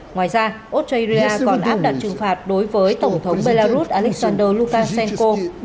ngoài ra australia còn áp đặt trừng phạt đối với tổng thống belarus alexander lukashenko